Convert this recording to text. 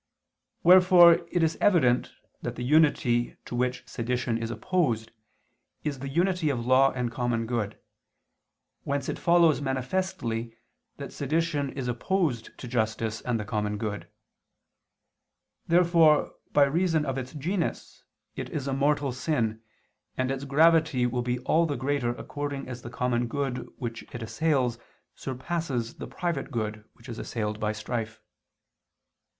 Wherefore it is evident that the unity to which sedition is opposed is the unity of law and common good: whence it follows manifestly that sedition is opposed to justice and the common good. Therefore by reason of its genus it is a mortal sin, and its gravity will be all the greater according as the common good which it assails surpasses the private good which is assailed by strife.